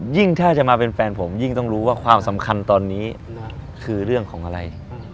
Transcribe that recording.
ถ้าจะมาเป็นแฟนผมยิ่งต้องรู้ว่าความสำคัญตอนนี้คือเรื่องของอะไร